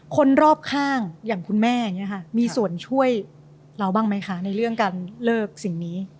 คนรอบข้างอย่างคุณแม่อย่างนี้ค่ะมีส่วนช่วยเราบ้างไหมคะในเรื่องการเลิกสิ่งนี้